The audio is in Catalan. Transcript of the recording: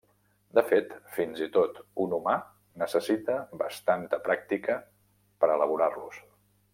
De fet, fins i tot un humà necessita bastant pràctica per elaborar-los.